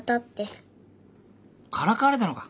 からかわれたのか。